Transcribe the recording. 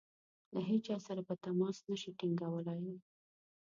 له هیچا سره به تماس نه شي ټینګولای.